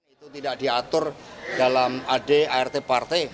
itu tidak diatur dalam adart partai